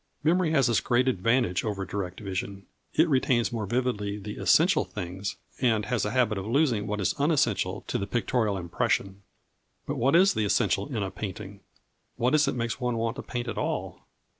Memory has this great advantage over direct vision: it retains more vividly the essential things, and has a habit of losing what is unessential to the pictorial impression. But what is the essential in a painting? What is it makes one want to paint at all?